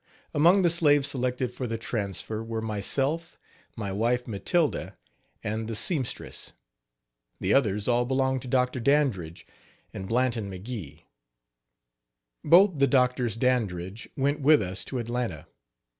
Among the slaves selected for the transfer were myself, my wife Matilda, and the seamstress. The others all belonged to Dr. Dandridge and Blanton McGee. Both the Drs. Dandridge went with us to Atlanta.